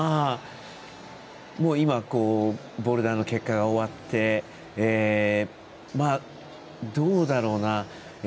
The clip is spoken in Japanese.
もう、今ボルダーが終わってどうだろうな。